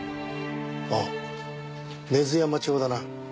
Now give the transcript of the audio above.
ああ根津山町だな？